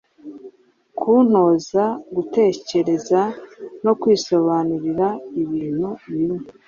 kuntoza gutekereza no kwisobanurira ibintu bimwe